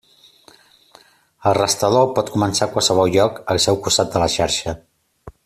El restador pot començar a qualsevol lloc al seu costat de la xarxa.